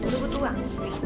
lo butuh uang